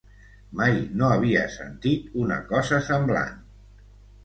Mai no havia sentit una cosa semblant.